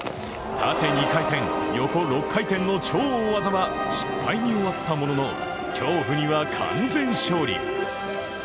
縦２回転、横６回転の超大技は失敗に終わったものの、恐怖には完全勝利。